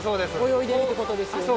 泳いでいるということですよね。